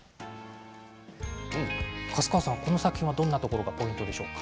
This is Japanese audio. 粕川さん、この作品はどんなところがポイントでしょうか。